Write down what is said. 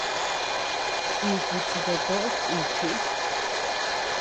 Iku chitokoʼo chichí.